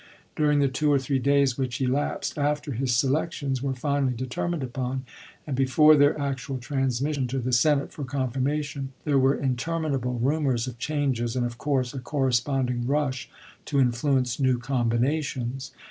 During the two or three days which elapsed after his selections were finally determined upon, and before their actual transmission to the Senate for confirma tion, there were interminable rumors of changes, and, of course, a corresponding rush to influence new combinations.